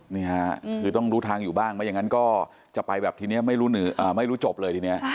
นี่ค่ะคือต้องรู้ทางอยู่บ้างไม่อย่างนั้นก็จะไปแบบทีนี้ไม่รู้จบเลยทีนี้